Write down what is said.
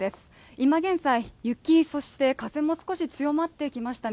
今現在、雪、そして風も少し強まってきましたね。